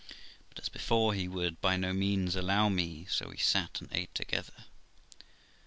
But, as before, he would by no means allow me; so we sat and ate together.